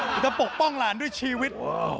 จะปกป้องหลานด้วยชีวิต